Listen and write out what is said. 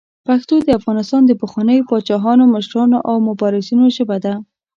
پښتو د افغانستان د پخوانیو پاچاهانو، مشرانو او مبارزینو ژبه ده.